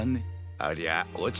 ありゃおちたな。